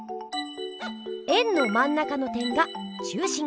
円のまん中の点が「中心」。